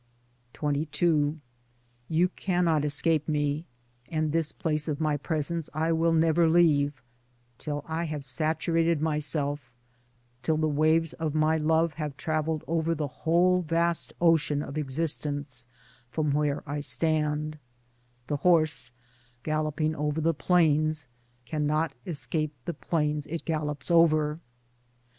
Towards Democracy 33 XXII You cannot escape me (and this place of my Presence I will never leave till I have saturated myself, till the waves of my love have traveled over the whole vast ocean of existence from where I stand) : The horse galloping over the plains cannot escape the plains it gallops over.